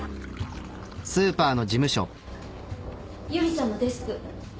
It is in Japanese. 由梨ちゃんのデスク。